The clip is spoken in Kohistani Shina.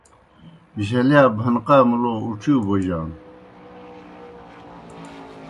جھلِیا بھنقا مُلَو اُڇِیؤ بوجانوْ۔